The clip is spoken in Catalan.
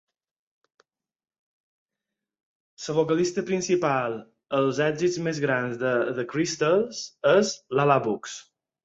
La vocalista principal als èxits més grans de The Crystals és La La Brooks.